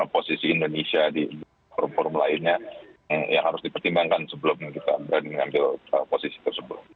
posisi indonesia di forum forum lainnya yang harus dipertimbangkan sebelum kita berani mengambil posisi tersebut